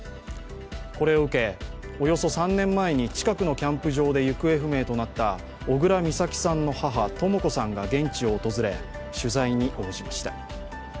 これを受け、およそ３年前に近くのキャンプ場で行方不明となった小倉美咲さんの母・とも子さんが現地を訪れ、取材に応じました。